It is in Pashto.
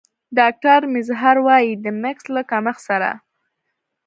ډاکتر میزهر وايي د مس له کمښت سره